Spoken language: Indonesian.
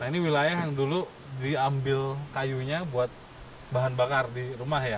nah ini wilayah yang dulu diambil kayunya buat bahan bakar di rumah ya